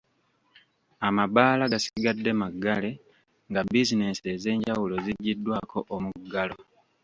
Amabbaala gasigadde maggale nga bizinesi ez'enjawulo ziggyiddwako omuggalo.